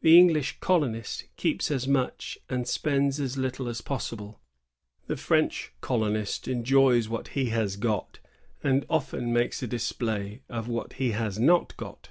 The English colonist keeps as much and spends as little as possible; the French colonist enjoys what he has got, and often makes a display of what he has not got.